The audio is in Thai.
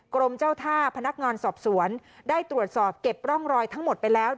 กรมเจ้าท่าพนักงานสอบสวนได้ตรวจสอบเก็บร่องรอยทั้งหมดไปแล้ว